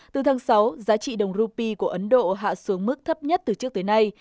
từ tháng sáu giá trị đồng rupee của ấn độ hạ xuống mức thấp nhất từ trước tới nay